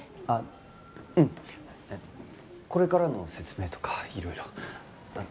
あっうんこれからの説明とかいろいろ。